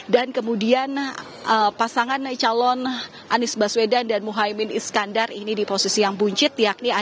dan kemudian pasangan calon anies baswedan dan muhaymin iskandar ini di posisi yang bunyinya